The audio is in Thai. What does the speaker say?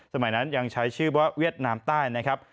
สมัยนั้นยังใช้ชื่อว่าเวียดนามใต้นะครับ